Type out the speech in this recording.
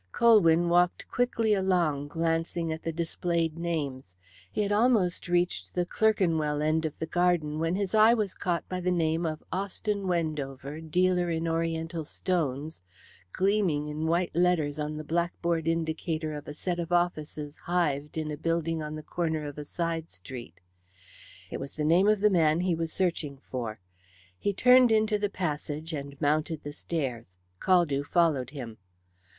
Colwyn walked quickly along, glancing at the displayed names. He had almost reached the Clerkenwell end of the Garden when his eye was caught by the name of "Austin Wendover, Dealer in Oriental Stones," gleaming in white letters on the blackboard indicator of a set of offices hived in a building on the corner of a side street. It was the name of the man he was searching for. He turned into the passage, and mounted the stairs. Caldew followed him.